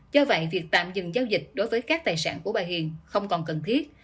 do vậy việc tạm dừng giao dịch đối với các tài sản của bà hiền không còn cần thiết